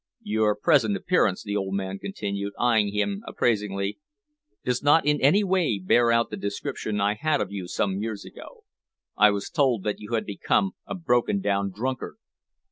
"Your present appearance," the old man continued, eyeing him appraisingly, "does not in any way bear out the description I had of you some years ago. I was told that you had become a broken down drunkard."